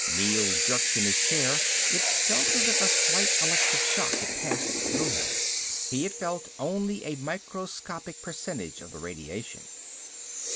Neel jerked in his chair. It felt as if a slight electric shock had passed through him. He had felt only a microscopic percentage of the radiation.